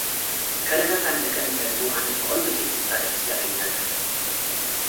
ከእለታት አንድ ቀን ደግሞ አንዲት ቆንጆ ሴት ስታለቅስ ያገኛታል፡፡